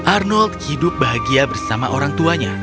arnold hidup bahagia bersama orang tuanya